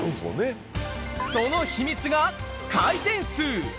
その秘密が回転数。